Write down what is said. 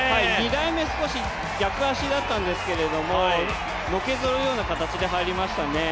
２台目、少し逆足だったんですけれども、のけぞるような形で入りましたね。